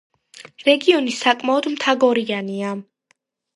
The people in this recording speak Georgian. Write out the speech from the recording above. რეგიონი საკმაოდ მთაგორიანია.